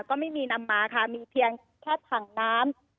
ก็ไม่มีนำมาค่ะมีเพียงแค่ถังน้ำ